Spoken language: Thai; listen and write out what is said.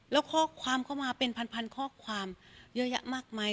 แล้วข้อความเข้ามาเป็นพันข้อความเยอะแยะมากมาย